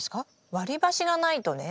割り箸がないとね